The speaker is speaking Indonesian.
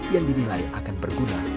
yang dinilai akan berguna